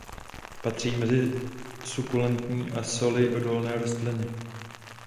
Patří mezi sukulentní a soli odolné rostliny.